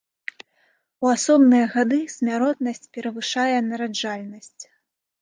У асобныя гады смяротнасць перавышае нараджальнасць.